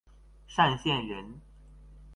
剡县人。